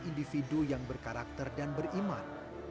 individu yang berkarakter dan beriman